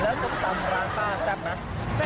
อ๋อแล้วตำตำร้างต้าแจบไหม